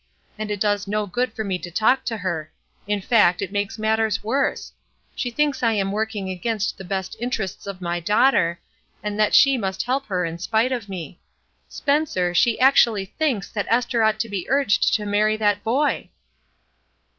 And it does no good for me to talk to her; in fact, it makes matters worse. She thinks I am working against the best interests of my daughter, and that she must help her in spite of me. Spencer, she actually thinks that Esther ought to be urged to marry that boy."